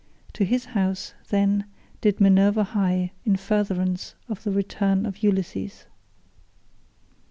To his house, then, did Minerva hie in furtherance of the return of Ulysses.